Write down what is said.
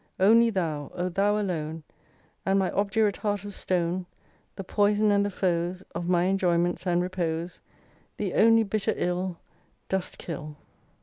Only thou ! O thou alone, And my obdurate heart of stone, The poison and the foes Of my enjoyments and repose, The only bitter ill, Dost kill